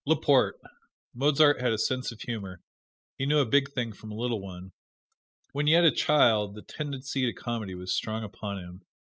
Laporte: Mozart had a sense of humor. He knew a big thing from a little one. When yet a child the tendency to comedy was strong upon him.